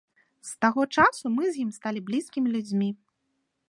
З таго часу мы з ім сталі блізкімі людзьмі.